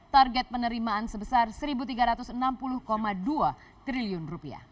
target penerimaan sebesar rp satu tiga ratus enam puluh dua triliun